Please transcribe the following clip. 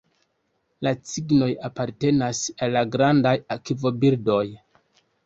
La cignoj apartenas al la grandaj akvobirdoj.